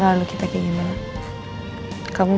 saran paman aku cuma bunun aja